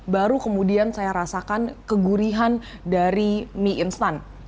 baru kemudian saya rasakan kegurihan dari mie instan